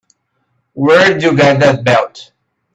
Where'd you get that belt?